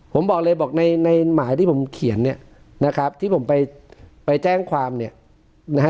ผมบอกเลยบอกในในหมายที่ผมเขียนเนี่ยนะครับที่ผมไปไปแจ้งความเนี่ยนะฮะ